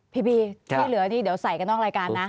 พี่บีที่เหลือนี่เดี๋ยวใส่กันนอกรายการนะ